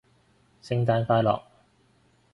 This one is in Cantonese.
聖誕快樂